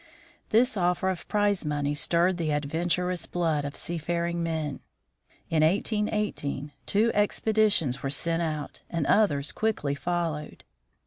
This offer of prize money stirred the adventurous blood of seafaring men. In 18 1 8 two expeditions were sent out, and others quickly followed.